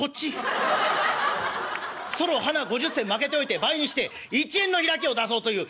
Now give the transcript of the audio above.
「それをはな５０銭まけておいて倍にして１円の開きを出そうという。